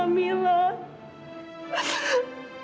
alina merasa tidak berarti kalau dibandingkan sama camilla